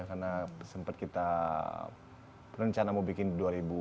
karena sempat kita rencana mau bikin di dua ribu empat belas